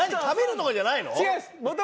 食べるとかじゃないの？